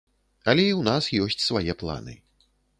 Але і ў нас ёсць свае планы.